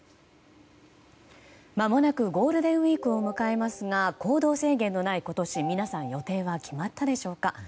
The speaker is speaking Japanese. まもなくゴールデンウィークを迎えますが行動制限のない今年皆さん、予定は決まったでしょうか。